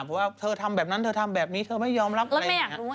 เพราะว่าเธอทำแบบนั้นเธอทำแบบนี้เธอไม่ยอมรับอะไรอย่างนี้